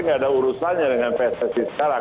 tidak ada urusannya dengan pssi sekarang